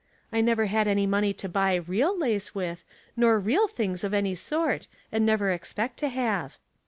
" I never had any money to buy real lace with, nor real things of any sort, and never expect to have."